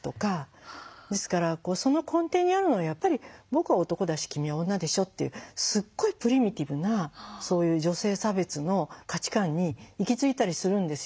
ですからその根底にあるのはやっぱり「僕は男だし君は女でしょ」っていうすっごいプリミティブなそういう女性差別の価値観に行き着いたりするんですよ。